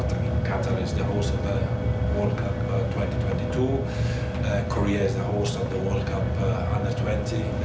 แต่ฉันจะอยู่ที่นี่และเลยด้วยธุรกีศ